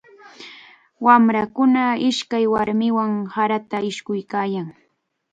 Wamrakuna ishkay warmiwan sarata ishkuykaayan.